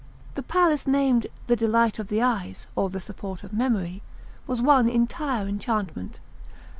The palace named "The Delight of the Eyes, or the Support of Memory," was one entire enchantment.